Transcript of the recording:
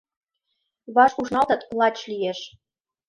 Ваш ушналтытат, лач лиеш.